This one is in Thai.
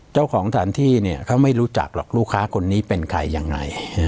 เจ้าของสถานที่เขาไม่รู้จักหรอกลูกค้าคนนี้เป็นใครยังไง